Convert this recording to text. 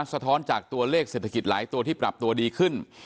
สะท้อนจากตัวเลขเศรษฐกิจหลายตัวที่ปรับตัวดีขึ้น